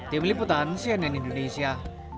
tim liputan cnn indonesia